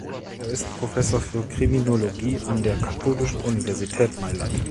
Er ist Professor für Kriminologie an der Katholischen Universität Mailand.